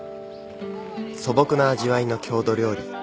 素朴な味わいの郷土料理。